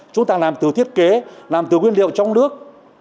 chúng ta làm từ thiết kế làm từ nguyên liệu trong nước